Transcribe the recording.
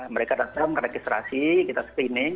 mereka datang ke registrasi kita screening